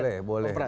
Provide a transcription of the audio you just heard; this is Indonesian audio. boleh lah boleh